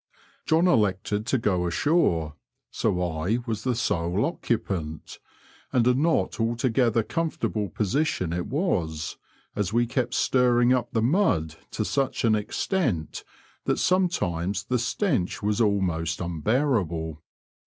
John elected to go ashore ; so I was the sole occupant — and a not altogether comfort able position it was, as we kept stirring up the mud to such an extent that sometimes the stench was almost unbearable.